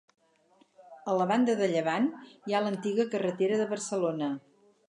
A la banda de llevant, hi ha l'antiga carretera de Barcelona.